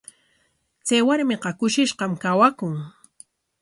Chay warmiqa kushishqam kawakun.